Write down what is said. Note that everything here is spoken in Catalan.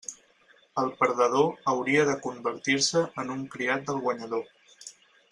El perdedor hauria de convertir-se en un criat del guanyador.